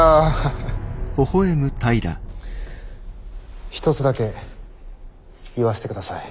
いや一つだけ言わせてください。